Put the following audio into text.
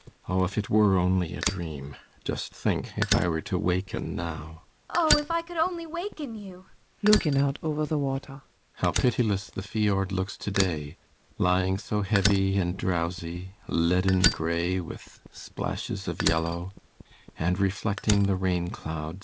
Oh, if it were only a dream! Just think, if I were to waken now! ASTA. Oh, if I could only waken you! ALLMERS. [Looking out over the water.] How pitiless the fiord looks to day, lying so heavy and drowsy leaden grey with splashes of yellow and reflecting the rain clouds.